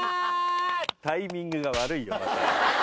タイミングが悪いよ。